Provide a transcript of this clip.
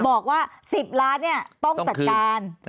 บอกว่า๑๐ล้านต้องจัดการ